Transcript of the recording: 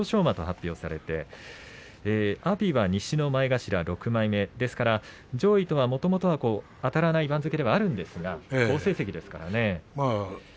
馬と発表されて阿炎は西の前頭６枚目ですから上位とはもともとはあたらない番付ではあるんですが好成績ですからね。